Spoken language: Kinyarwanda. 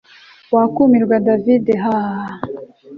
wakumirwa david haha